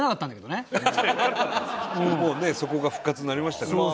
もうねそこが復活になりましたからね。